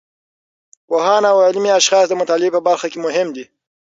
پوهان او علمي اشخاص د مطالعې په برخه کې مهم دي.